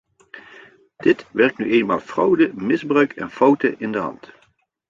Dit werkt nu eenmaal fraude, misbruik en fouten in de hand.